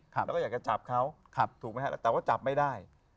แล้วก็อยากจะจับเขาถูกไหมครับแต่ว่าจับไม่ได้